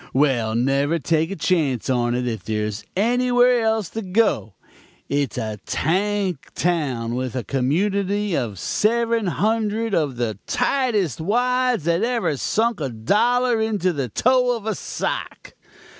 Well, never take a chance on it if there is anywhere else to go. It's a tank town with a community of seven hundred of the tightest wads that ever sunk a dollar into the toe of a sock.